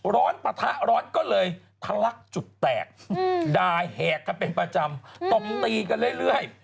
ปะทะร้อนก็เลยทะลักจุดแตกด่าแหกกันเป็นประจำตบตีกันเรื่อย